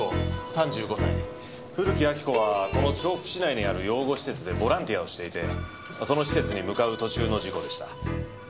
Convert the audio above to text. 古木亜木子はこの調布市内にある養護施設でボランティアをしていてその施設に向かう途中の事故でした。